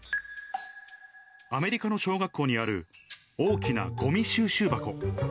アメリカの小学校にある、大きなごみ収集箱。